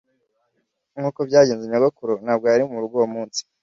Nkuko byagenze, nyogokuru ntabwo yari murugo uwo munsi